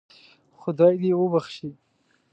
خدای دې وبخښي.